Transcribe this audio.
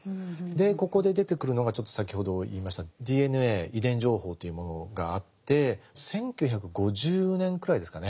でここで出てくるのがちょっと先ほど言いましたＤＮＡ遺伝情報というものがあって１９５０年くらいですかね